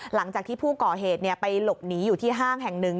หลังจากที่ผู้ก่อเหตุไปหลบหนีอยู่ที่ห้างแห่งหนึ่ง